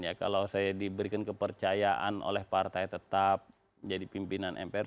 ya kalau saya diberikan kepercayaan oleh partai tetap jadi pimpinan mpr